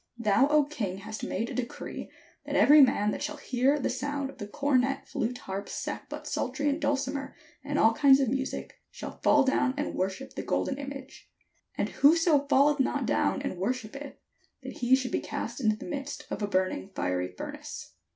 Thou, O king, hast made a decree, that every man that shall hear the sound of the cornet, flute, harp, sackbut, psaltery, and dulcimer, and all kinds of music, shall fall down and wor ship the golden image : and whoso falleth not down and worshippeth, that he should be cast into the midst of a burning fiery furnace.